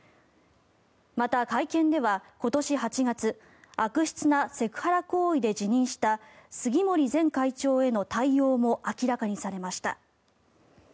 また、会見では今年８月悪質なセクハラ行為で辞任した杉森前会長への対応も明らかにされました。